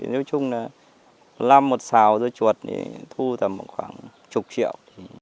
nếu chung là lăm một xào dưa chuột thì thu tầm khoảng chục triệu